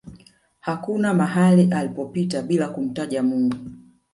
hakuna mahala alipopita bila kumtaja mungu